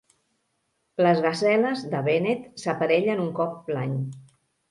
Les gaseles de Bennett s'aparellen un cop l'any.